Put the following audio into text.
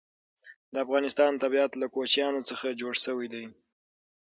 د افغانستان طبیعت له کوچیانو څخه جوړ شوی دی.